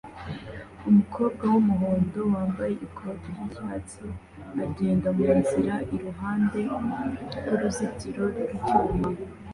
Umukobwa wumuhondo wambaye ikoti ryicyatsi agenda munzira iruhande rwuruzitiro rwicyuma